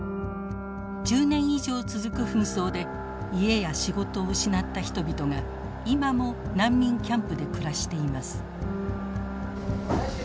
１０年以上続く紛争で家や仕事を失った人々が今も難民キャンプで暮らしています。